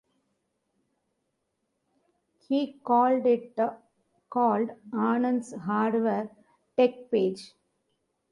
He called it called Anand's Hardware Tech Page.